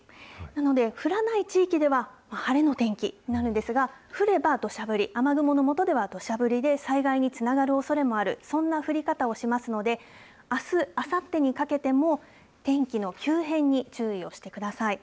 なので、降らない地域では晴れの天気になるんですが、降ればどしゃ降り、雨雲のもとではどしゃ降りで、災害につながるおそれもある、そんな降り方をしますので、あす、あさってにかけても、天気の急変に注意をしてください。